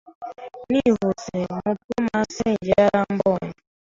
Nihuse, mubwo masenge yarambonye